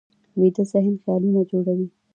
ویده ذهن خیالونه جوړوي